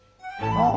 あっ！